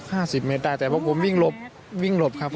ก็ประมาณสัก๕๐เมตรได้แต่ผมวิ่งหลบวิ่งหลบครับผม